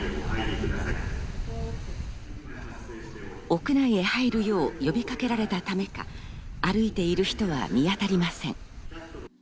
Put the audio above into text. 屋内へ入るよう呼びかけられたためか、歩いている人は見当たりません。